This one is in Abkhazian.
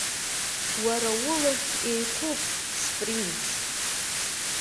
Уара улахь еиқәуп, спринц.